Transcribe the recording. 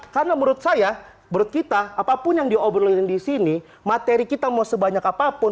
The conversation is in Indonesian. karena menurut saya menurut kita apapun yang diobrolin di sini materi kita mau sebanyak apapun